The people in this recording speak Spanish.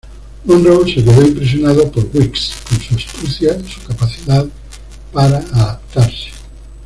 Monro se quedó impresionado por Weeks con su astucia y su capacidad para adaptarse.